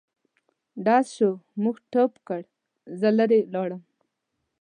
ډز شو موږ ټوپ کړ زه لیري لاړم.